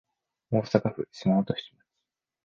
大阪府島本町